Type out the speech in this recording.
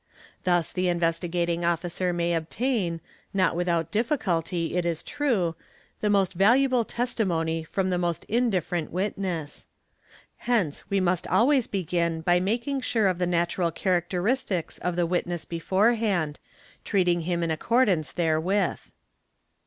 Thus the Investigating Officer may obtain, not without difficulty it is true, the most valuable testimony from the most indifferent witness. Hence we must always begin by making sure _ of the natural characteristics of the witness beforehand, treating him in * accordance therewith.